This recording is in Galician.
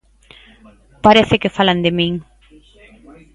Parece que falan de min.